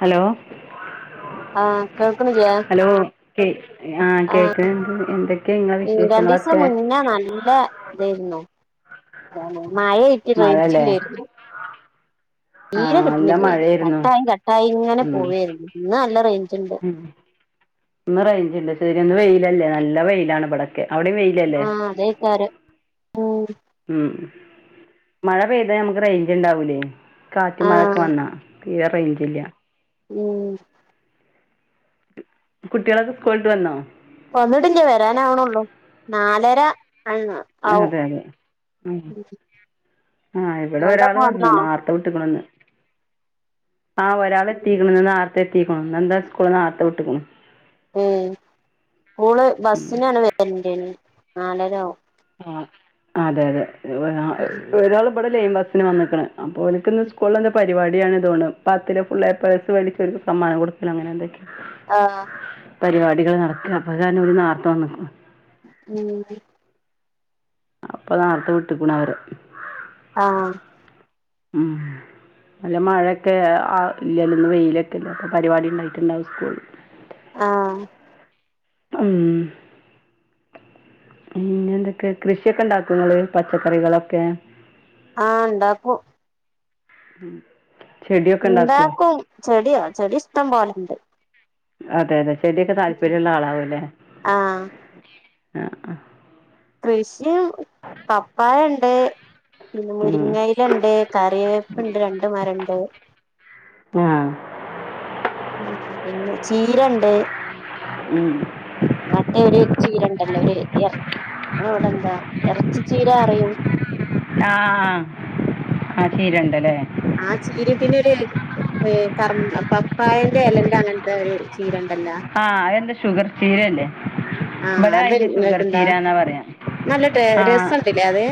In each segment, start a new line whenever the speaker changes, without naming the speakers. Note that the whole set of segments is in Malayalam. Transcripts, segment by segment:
ഹലോ
ആ കേൾക്കുന്നില്ലേ
[unintelligible] ആ കേൾക്കണണ്ട് എന്തെക്കേയ നിങ്ങളെ
ഉം
വിശേഷങ്ങൾ
രണ്ടീസം
ഒക്കെ
മുന്നേ [unintelligible] മഴ റ്റ് റേഞ്ച് ഇല്ലാരുന്നു
ആഹ് നല്ല മഴയായിരുന്നു
കട്ടായി കട്ടായി ഇങ്ങനെ
ഉം
പോവായിരുന്നു ഇന്ന് നല്ല റേഞ്ച്‌ ഇണ്ട്
ഉം ഇന്ന് റേഞ്ച്ണ്ട് ശരി ഇന്ന് വെയിലല്ലേ നല്ല വെയിലാണ് ഇവിടെ ക്കെ അവിടേം വെയിലല്ലേ
ആഹ് അതേക്കാരം ഉം
ഉം മഴ പെയ്ത ന്തമക്ക് റേഞ്ച് ഇണ്ടാവു ലേ കാറ്റും മഴയൊക്കെ
ആഹ്
വന്നാ തീരെ റേഞ്ച് ഇല്ല
ഉം
കുട്ടികളൊക്കെ സ്കൂൾ വിട്ട് വന്നോ
വന്നിട്ടില്ല വരാൻ ആവ്ണൊള്ളൂ നാലര ആഹ് ആവും
അതെ അതെ ഉം ആ ഇവിടെ ഒരാള്
നിങ്ങൾതൊക്കെ
വന്നു
വന്നോ
നാര്ത്തെ വിട്ടു ക്ണ്ന്ന് ആ ഒരാള് എത്തീക്ക്ണ് ഇന്ന് നേരെത്തെ എത്തീക്ണു ഇന്ന് ന്തോ സ്കൂൾ നേരെത്തെ വിട്ട്ക്ക്ണ്
ഉം ഓള്
ഉം
ബസ്സിന് ആണ് വര് [unintelligible] നാലര ആവും
ആ അതെ അതെ [unintelligible] ഒരാള് ഇവിടെ ലൈൻ ബസ്സിന് വന്ന്ക്കണ് അപ്പൊ ഓൽക്കിന്ന് സ്കൂളിൽ എന്തോ പ രിപാടി ആണ് തോണ് പത്തിലെ ഫുൾ എ പ്ലസ് വെടിചോൽക്ക് സമ്മാനം കൊടുക്കൽ അങ്ങനെ എന്തൊക്കയോ
ആ
പരിപാടികൾ നടക്കാണ് അപ്പൊ അത് കാരണം ഓര് നേരത്തെ വന്ന്ക്കണ്
ഉം
അപ്പം നേരത്തെ വിട്ടുക്ണ് അവരെ
ആ
ഉം നല്ല മഴയൊക്കെ അ ഇല്ലല്ലോ ഇന്ന് വെയിലക്കെ അല്ലേ പരിപാടി ഉണ്ടായിട്ട് ഉണ്ടാവും സ്കൂളിൽ
ആഹ്
ഉം പിന്നെ എന്തെക്കെ കൃഷി ഒക്കെ ഉണ്ടാക്കുവോ നിങ്ങള് പച്ചക്കറി കളൊക്കെ
ആ ഇണ്ടാക്കും
ഉം
ഉണ്ടാക്കും ചെടിയോ ചെടി ഇഷ്ടം പോലെ ഉണ്ട്
അതെ അതെ ചെടി ഒക്കെ താല്പര്യം ഉള്ള ആളാവും ലേ
ആഹ്
ആ
കൃ ഷിം പപ്പായ ഇ പിന്നെ
ഉം
മുരിങ്ങയില ഇണ്ട് കറി വേപ്പ് ഉണ്ട് രണ്ട് മരണ്ട്
ആഹ്
പിന്നെ ചീരണ്ട്
ഉം
മറ്റേ ഒരു ചീര ഇണ്ടല്ലോ ഒര് എർ അവിടെ എന്താ എറച്ചി ചീര പറിയും
ആ ചീര ഉണ്ടല്ലേ
ആ ചീരയും പിന്നെ പപ്പായെന്റെ ഇലന്റെ അങ്ങനെത്തെ ഒരു ചീര ഉണ്ടലോ
ആ ഷുഗർ ചീര അല്ലെ
ആഹ്
ഇവിടെ
അത്
അതിന് ഷുഗർ
ഇങ്ങക്ക്ണ്ടാ
ചീരാന്നാ പറയ
നല്ല ടേ
ആ
രസണ്ട്ല്ലേ അത്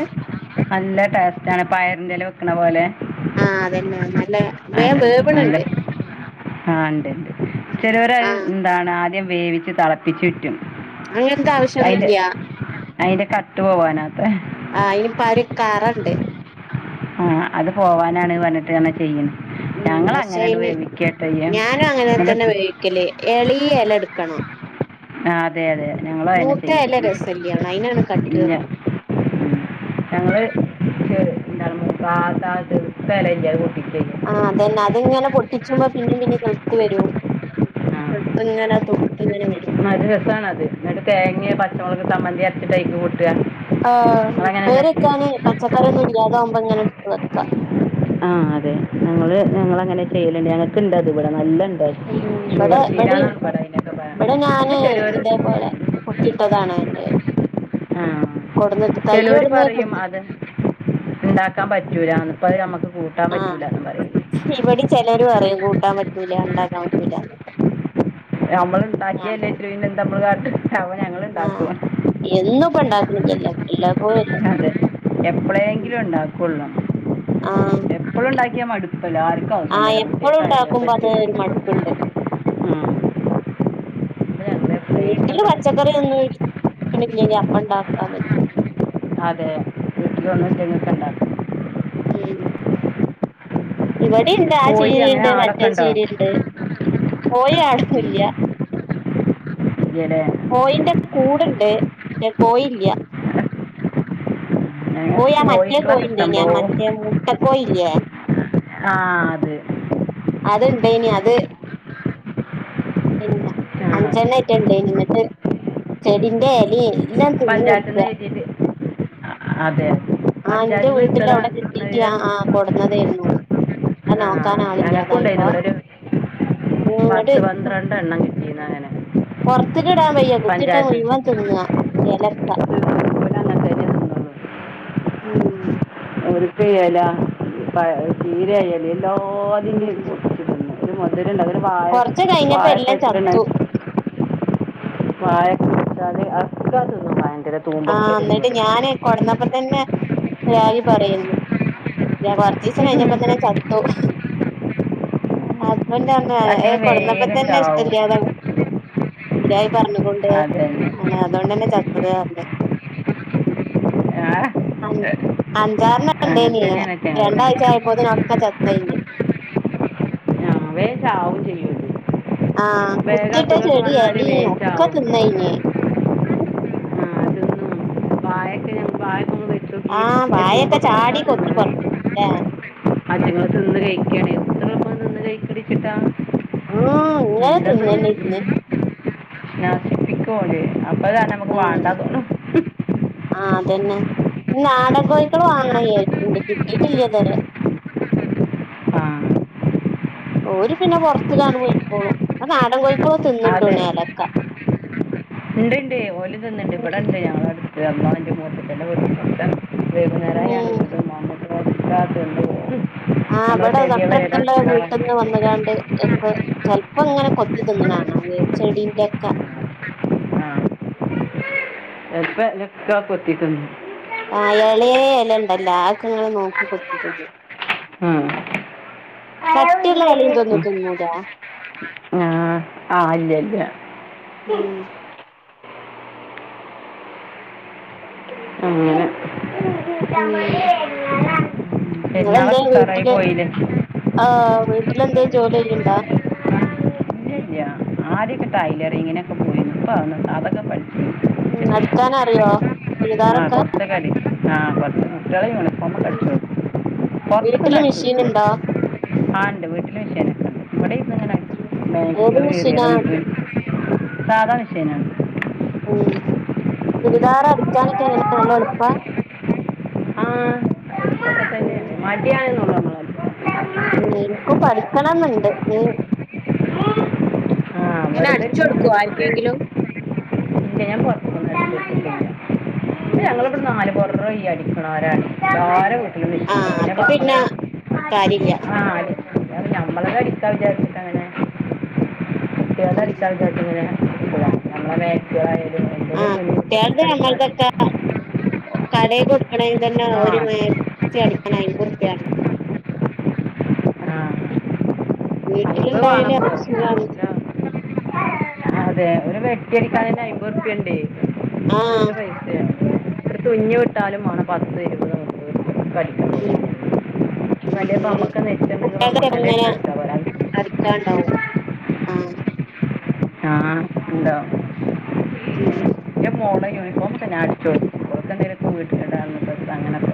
നല്ല ടേസ്റ്റ പയറിന്റെ ഇല വെക്കണപോലെ
ആഹ് അതന്നെ നല്ല വേം
അതെ
വേവ്ണ് ണ്ട്
ആ ഇണ്ട് ഇണ്ട് ചെലരു
ആഹ്
എന്താണ് ആദ്യം വേവിച്ചു തെളപ്പിച്ചു
അങ്ങനത്തെ ആവശ്യമൊന്നുമില്ല
അയിന്റെ കട്ട് പോവാനാത്ത
കറയുണ്ട്
ആ അത് പോകാനാണ് പറഞ്ഞിട്ട ചെയ്യുന്ന
പക്ഷേ അതിന് ഞാനുംഅങ്ങനെ തന്നെയാ
എന്നിട്ട്
വേവിക്കല് എളിയ ഇല എടുക്കണം
ആ അതെ അതെ ഞങ്ങളും അതുതന്നെ
മൂത്ത
ചെയ്യല്
ഇല രസമില്ല അതിനാണ് കട്ട്‌
ഞങ്ങള് എന്താണ് തളിർത്ത ഇല ഇല്ലേ
ആ അതന്നെ അങ്ങനെ പൊട്ടിച്ചുമ്പോ പിന്നെ പിന്നെയും കിളിർത്ത് വരും അങ്ങനെ തുട്ട് ഇങ്ങനെ വരും
നല്ല രസാണ് അത് എന്നിട്ട് തേങ്ങയും പച്ചമുളക് ചമ്മന്തി അരച്ച് അതിന്റെ കൂടെ
ആ ഉപ്പേരി വെക്കാന് പച്ചക്കറി ഒന്നും ഇല്ലാത്തപ്പോ ഇതാവുമ്പോ ഇങ്ങനെ എടുത്ത് വെക്കാം
ആ അതെ ഞങ്ങൾ ഞങ്ങളങ്ങനെ ചെയ്യലുണ്ട് ഞങ്ങൾക്കുണ്ട് അത് ഇവിടെ നല്ല ഉണ്ട്
ഇവിടെ
ഷുഗർ ചീര എന്നാണ് ഇവിടെ അതിനൊക്കെ പറയുക
ഇവിടെ ഞാൻ
പിന്നെ ചിലവർ
ഇതേപോലെ കുത്തിയിട്ടതാണ്
ആ ചെലൊരു
കൊടന്ന്
പറയും
കുത്തി
അത് ഉണ്ടാക്കാൻ പറ്റൂലാന്ന് [unintelligible]
ആ ഇവിടെ ചിലര് പറയും കൂട്ടാൻ പറ്റൂല ഉണ്ടാക്കാൻ പറ്റൂല
നമ്മൾ ഉണ്ടാക്കിയ അല്ലാതെ പിന്നെ എന്താണ് കാട്ടണത്
ആ എന്നും ഇപ്പൊ ഉണ്ടാക്കുവോ ഇല്ലല്ലോ
അതെ എപ്പോളെങ്കിലും ഉണ്ടാകുള്ളൂ
ആഹ്
എപ്പളും ഉണ്ടാക്കിയ ക്കിയ മടുക്കും എല്ലാവർക്കും
ആഹ് എപ്പഴും ഉണ്ടാക്കുമ്പോ അത് ഒരു മടുപ്പുണ്ട്
[unintelligible]
വീട്ടിൽ
ഉണ്ടാക്കും
പച്ചക്കറി ഒന്നു [unintelligible] അപ്പം ണ്ടാക്കാൻ പറ്റും
അതെ വീട്ടിൽ
ഉം
[unintelligible]
ഉം ഇവിടേണ്ട് ആ
കോഴി അങ്ങനെ
ചീരേണ്ട്
ആടൊക്കെ
മറ്റേ
ഉണ്ടോ
ചീരേണ്ട് കോഴി ആർക്കുല്യ
ഇല്ലേ
കൊഴിന്റെ കൂട്ൻ ണ്ട് ണ്ട് കോഴി ഇല്ല
ഞങ്ങൾ
കോഴി ആ മറ്റേ
കോഴിക്കളൊക്കെ
കോഴിണ്ട്ന ആ
ഇഷ്ടംപോലെ
മറ്റേ മുട്ട കോഴി ല്ലേ
ആ അതെ
ണ്ടായിനി അത് പിന്നെ അഞ്ചെണ്ണം ആയിട്ടുണ്ട് എന്നിട്ട് ചെടിന്റെ ഇലേ ല്ലാം തിന്ന്
പഞ്ചായത്തിൽ നിന്ന്
തീർക്കാ
എഴുതിയിട്ട് അതെ
ആ എന്റെ
പഞ്ചായത്തിൽ നിന്ന്
വീട്ടിൽ
കിട്ടണ
അവിടെ കിട്ടീട്ട്
കിട്ടണ
ഞാൻ ആ കൊടന്നതായിരുന്നു അത്
ആ
നോക്കാൻ
ഞങ്ങൾക്കും ഉണ്ടായിരുന്നു
ആളില്ലാതായപ്പോൾ
ഇവിടെ ഒരു
ഇങ്ങട്
പത്ത്
കു
പന്ത്രണ്ട് [unintelligible] അങ്ങനെ
പൊറത്ത്ക്ക് വിടാൻ വയ്യ കുത്തിട്ടത്
പഞ്ചായത്ത്
മുഴുവൻ തിന്നാ എലക്ക
ഇവിടെ അങ്ങനത്തെ തന്നെ തിന്നുള്ളൂ
ഉം
[unintelligible] എല പ ഹ് ചീര എലെ എല്ലാത്തിന്റേം
ഉം
കൂട്ടത്തിൽ നിന്ന് [unintelligible] [unintelligible] അതൊരു വാഴ,
കൊറച്ച് കഴിഞ്ഞപ്പോ
വാഴ
എല്ലാം ചത്തു
[unintelligible] വാഴക്ക് വെച്ചാല് അതൊക്കെ തിന്നും [unintelligible]
ആ എന്നിട്ട്
തിന്നോലും
ഞാന് കൊടന്നപ്പം തന്നെ എല്ലാരും പറയുന്നു [unintelligible] കൊർച്ചീസം കഴിഞ്ഞപ്പം തന്നെ ചത്തു അ
അച്ഛങ്ങൾ
[unintelligible] കൊടന്നപ്പം
വേഗം
തന്നെ
ചാവും
ഇഷ്ട്ടല്ലലോ [unintelligible] പറഞ്ഞു കൊണ്ട്
അത് തന്നെ
[unintelligible] അതോണ്ടന്നെ ച അതന്നെ
ആ
അൻ അഞ്ചാറെണ്ണം
അങ്ങനെ
ഉണ്ടായിനി
തന്നെയാണ് അച്ഛങ്ങളില്ല
രണ്ടായ്ച ആയപ്പോത് [unintelligible] ചത്തയിന്
കുറെ ചാവും ചെയ്യും
അഹ്‌ കുത്തിയിട്ട ചെടിയെ അയി ഈ
വേഗം
ഒക്കെ
ചാവും
തിന്നയിന്
മറ്റൊന്നും വായക്ക ഞാൻ വായ
ആഹ് വാഴൊക്കെ ചാടി കൊത്തി പറിക്കും ല്ലേ
[unintelligible] അതിനൊ തിന്ന് കഴിക്കാണ് എത്ര ഉമ്മ തന്ന് ഒന്ന് കഴിക്കടി. ഇത്താ.
മ്മ് ഇങ്ങനെ തിന്നുന്നെ ഇരുന്ന്.
നാ പിക് ഹോൾഡ് ചെയ്യണ്ട. അമ്പതാണേ നമുക്ക്
ആഹ്
വേണ്ടാന്ന് പറ.
ആഹ് അതന്നെ ഈ നാടൻ കോഴിക്കള് വാങ്ങാണോന്നു വിചാരിച്ചിട്ട് ഉണ്ട്‌ കിട്ടീട്ടില്ല ഇതുവരെ.
ആ
ഓരു പിന്നെ പൊറത്ത് ക്കങ്ങു പൊയ്ക്കോളും അത് നാടൻ കോഴി ത്തോ തിന്നണ്ടോണി അലക്കാ.
ഇണ്ടിണ്ടേ ഒ ഴി തിന്നണ്ട് ഇവിടുണ്ടേ ഞങ്ങള് അടുത്ത്. ന്നാ നിന്റെ [unintelligible] ചെക്കന്റെ വീട്ടി. [unintelligible] വൈകുന്നേരാ ഞാൻ
ഉം
[unintelligible] വന്നിട്ട്. പൊട്ടാത്തെന്ത് ഹും.
ആ ഇവടെ തൊട്ടടത്തുള്ള വീട്ടിന്ന് വന്നു ങ്ങാണ്ട് ഒക്കെ ചില പ്പം ഇങ്ങനെ കൊത്തിതിന്നണ കാണാം അത് ചെടീന്റെയൊക്കെ.
ആ ഇപ്പം [unintelligible] കൊത്തി തിന്നും.
ആഹ് എളെ എല ഉണ്ടല്ലോ അയൊക്കെ ഇങ്ങനെ നോക്കി കൊത്തി തിന്നും.
ഉംഹ്.
കട്ടിയുള്ള എലയിതൊന്നും തിന്നൂല്ലാ.
ആഹ് ഇല്ലല്ലാ.
ഉം
ആന.
ഉം ഇങ്ങളെന്തേ
പെരുന്നാളൊക്കെ ഉഷാറായി പോയില്ലേ.
ട്ടിലെന്തേ ജോലി ചെയുണ്ടോ?
ആദ്യൊക്കെ കായില്ലായിരുന്ന് ഇങ്ങനൊക്കെ പോയിരുന്നു ഇപ്പതൊന്നും അതൊക്ക പ
മ്മ് അടിക്കാൻ അറിയോ ചുരിദാർ
ആ
ഒക്കെ.
കുറച്ചൊക്കെ അടി ആ കൊറച്ച്. കുട്ടികളെ യൂണിഫോമൊക്കെ അടിച്ച് കൊടുക്കും പൊറത്തുക്കൊന്നു
വീട്ടില്
അടിച്ച്
മെഷീൻ
കൊടുക്കണില്ല
ഉണ്ടോ
ആ ഇണ്ട് വീട്ടിലെ മെഷീനു ഇവിടെ ഇരുന്നിങ്ങനെ
ഏത്
നൈറ്റികള് വരുന്ന
മെഷീനാ
ഏതാ മെഷീൻ. സാധാ മെഷീനാണ്.
ഉം ചുരിദാറ് അടിക്കാനൊക്കെ എങ്ങനാ നല്ല എളുപ്പാ?
ആഹ്‌. എളുപ്പം ഒക്കെ
ഉം
തന്നെയാണ് മടി ആണ് എന്നുള്ളു നമ്മള്. [unintelligible]
ഉം എനിക്കും പഠിക്കണം എന്നുണ്ട് ഈ
ആ
ഇങ്ങനെ
വെറുതെ
അടിച്ചു കൊടുക്കോ
ഇരിക്കുമ്പോൾ നമുക്ക്
ആർക്കെങ്കിലും?
ഇല്ല
ഉം
ഞങ്ങളവിടെ നാലുപുരം ക്കെ അടിക്കണോരാണ് ഓരോ വീട്ടി
ആ അപ്പ പിന്നെ കാര്യല്ല
ഇഷ്ടാവില്ലച്ചിട്ടങ്ങനെ ഇള്ളത്
ഉം
അടിക്കാൻ [unintelligible] [unintelligible] നമ്മളെ മേക്സിയോ അല്ലെങ്കി
ആ കുട്ട്യോളടെ അങ്ങനത്തൊക്കെ അ കടെകൊടുക്കണെങ്കി തന്നെ
ആ
ഒരു മാക്സി അടിക്കണേ എൻപത് റുപ്പ്യ വേണം
ആ
വീട്ടില്
അയിമ്പ്
ഇണ്ടായാലും
വേണം ഇപ്പൊ.
അതൊരു സുഖാണ്ണ്
ഇവടെ വെട്ടിയെടുക്കാനന്നെ അയ്മ്പത് ഉറുപ്പിക ഇണ്ടേ നല്ല
ആഹ്
റേറ്റ് [unintelligible] ഒരു കുഞ്ഞ് വെട്ടാനും വേണം പത്ത് ഇരുപത് മുപ്പത് [unintelligible] ഇത്
ഉം
നല്ലേ അമ്മുക്കുന്നെ ഏറ്റും നല്ലത്
കുട്ടികൾടെ
അമ്മുക്കെന്നെ [unintelligible] അവര്
ഔ ആൻ
ഇണ്ടോ
ഉം
പ്പ ഞാൻ അടിച്ചൊടുക്കോ അങ്ങനത്തെ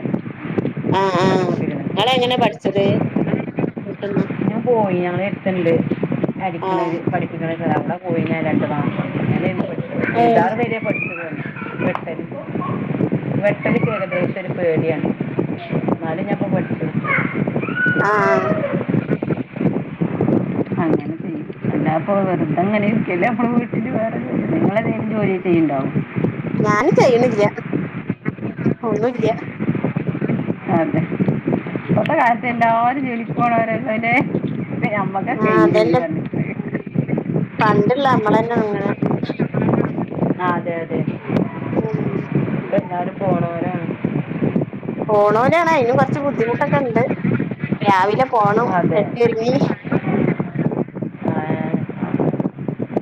ആഹ് ആഹ് ഇങ്ങളെങ്ങനാ പഠിച്ചത് വീട്ടിന്നാ
ഞാൻ പോയി അവനത്തെത്ത്ണ്ട് അടിക്കണത്
ആഹ്
പഠിപ്പിക്കണ സ്ഥലം അവടെ പോയിന രണ്ട് മാസം [unintelligible]
ഏഹ്
ചുരിദാര് [unintelligible] വെട്ടല് വെട്ടല് നിക്ക് ഏകദേശ ഒരു പേടി ആണ് ന്നാലും ഞാനിപ്പോവെട്ടും
ആഹ്
പിന്നെപ്പോ വെറുതെ ഇങ്ങനെ ഇരിക്കല്ലേപ്പളും വീട്ടില് വേറെ ജോലി ഇങ്ങളെന്തേലും ജോലി ചെയ്യണ്ടോ
ഞാന് ചെയ്യണില്ല ഒന്നൂല്ല
അതെ ഇപ്പത്തെ കാലത്ത് എല്ലാവരും ജോലിക്ക് പോണോരെ ഉള്ളൂലേ ചെയ്യാമ്പക്ക ചെയ്യുന്ന് പറഞ്ഞി [unintelligible]
പണ്ടള്ള അമ്മളന്നെള്ളു ഇങ്ങനെ
അതെ അതെ
ഉം
എല്ലാരും പോണോരാണ്
പോണോരാണ് അതിന് കൊറച്ച് ബുദ്ധിമുട്ടൊക്കെ ഇണ്ട് രാവിലെ പോണം
അതെ
കെട്ടി ഒരുങ്ങി
ആ,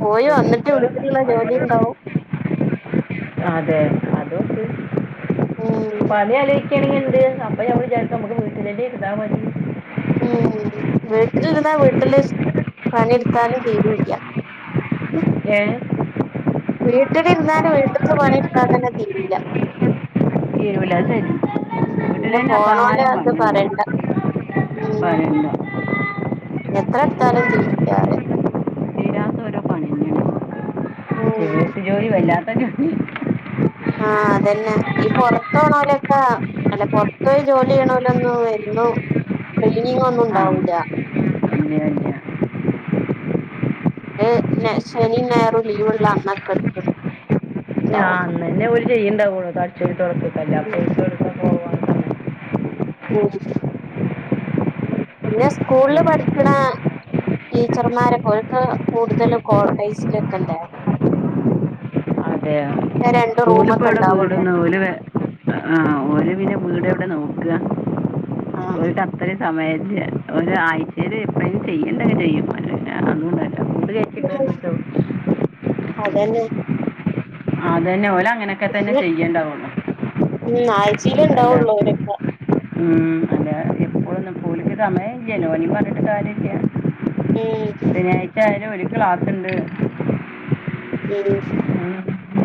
പോയി വന്നിട്ട്
ബുദ്ധിമുട്ടുകളൊക്കെ ഉണ്ട്.
വീട്ടിൽ ജോലി
പണികള്
ഇണ്ടവും
അതെ അതും ഉണ്ട്
ഉം
[unintelligible] [unintelligible]
വീട്ടിലിരുന്നാലും വീട്ടിലെ പണി എടുത്താലും തീരൂല്ല
ഏ
വീട്ടിലിരുന്നാലും വീട്ടിലെത്തെ പണി തന്നെ എടുത്ത തീരൂല്ല
തീരുല ദ്
ഉം പിന്നെ
ശെരിയാ
പോണോലെ അത് പറയണ്ട ഉം
[unintelligible]
എത്ര എടുത്താലും തീരൂല്ല പറയാം
തീരാത്ത ഓരോ പണി തന്നെയാണ് [unintelligible] [unintelligible]
ആഹ് ഈ പുറത്തു പോണവരൊക്കെ അല്ല പുറത്തുപോയി ജോലി ചെയ്യുന്നവരെല്ലാം പോയി വരുന്നു ക്ലീനിങ് ഒന്നും
ആ
ഉണ്ടാവില്ല
ഇല്ല ഇല്ല
ശനി ഞായർ ലീവ് ഉള്ള അന്നൊക്കെ എടുക്കും
ആ അന്ന് തന്നെ ഒര് ചെയ്യുന്നുണ്ടാവുള്ളൂ
ഉം
[unintelligible] [unintelligible]
[unintelligible] പിന്നെ സ്കൂൾ
ഉം.
പഠിക്ണ ടീച്ചർ മാരൊക്കെ ഓലൊക്കെ കോട്ടോയ്‌സിൽ
ഒര് അപ്പോ വീട് ആവില്ല ഒര് ഇപ്പോ വീട് എവിടെ നോക്കുവാ
ആഹ്
[unintelligible] അത്രയും സമയം ആയി ഒരാഴ്ചയിലെ പ്പളേ ചെയ്യേണ്ടത് ചെയ്യും [unintelligible] [unintelligible]
അത് തന്നെ
ആ തന്നെ ചെയ്യണ്ടാവുള്ളു
ആഴ്ചയിൽ ഉണ്ടാവുള്ളൂ ഒര് ഒക്കെ
മം ഒര് ഒക്കു സമയം ഇല്ലല്ലോ ഓലെ പറഞ്ഞിട്ട് കാര്യമില്ല
ഉം
ശാന്യയിച്ച [unintelligible] [unintelligible]
മ്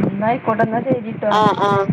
ഇന്നായിക്കോട്ടെ കഴിഞ്ഞിട്ടാ
ആഹ്